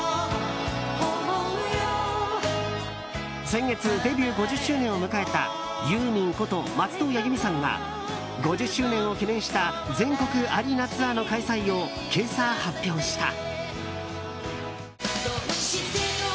先月デビュー５０周年を迎えたユーミンこと松任谷由実さんが５０周年を記念した全国アリーナツアーの開催を今朝、発表した。